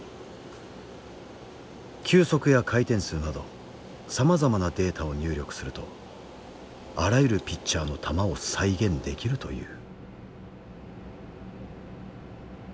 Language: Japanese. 球速や回転数などさまざまなデータを入力するとあらゆるピッチャーの球を再現できるという。